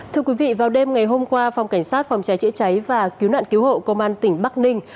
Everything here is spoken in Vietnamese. thưa quý vị vào đêm ngày hôm qua phòng cảnh sát phòng cháy chữa cháy và cứu nạn cứu hộ công an tỉnh bắc ninh